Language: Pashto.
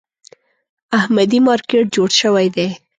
احمدي مارکېټ جوړ شوی دی.